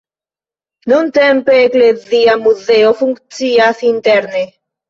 Nuntempe eklezia muzeo funkcias interne.